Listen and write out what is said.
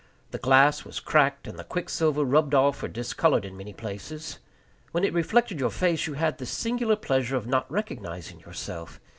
The glass was cracked and the quicksilver rubbed off or discolored in many places. When it reflected your face you had the singular pleasure of not recognizing yourself.